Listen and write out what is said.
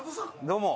どうも。